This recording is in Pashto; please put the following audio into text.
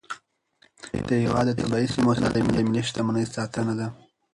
د هیواد د طبیعي سیمو ساتنه د ملي شتمنۍ ساتنه ده.